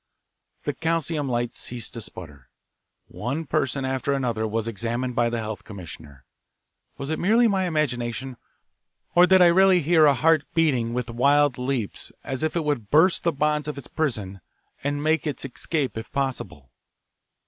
The calcium light ceased to sputter. One person after another was examined by the health commissioner. Was it merely my imagination, or did I really hear a heart beating with wild leaps as if it would burst the bonds of its prison and make its escape if possible?